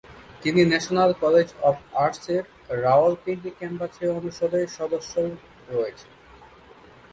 তিনি national college of আর্টসের রাওয়ালপিন্ডি ক্যাম্পাসে অনুষদের সদস্যও রয়েছেন।